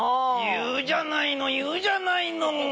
言うじゃないの言うじゃないのもう。